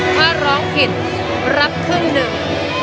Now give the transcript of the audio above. ถ้าร้องผิดรับครึ่งหนึ่ง